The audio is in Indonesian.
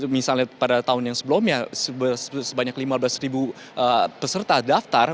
misalnya pada tahun yang sebelumnya sebanyak lima belas ribu peserta daftar